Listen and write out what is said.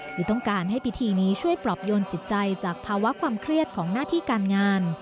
คือต้องการให้พิธีนี้ช่วยปลอบโยนจิตใจจากภาวะความเครียดของหน้าที่การงาน